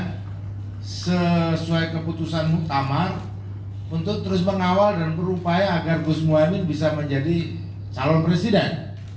dan sesuai keputusan utama untuk terus mengawal dan berupaya agar gus muhaimin bisa menjadi calon presiden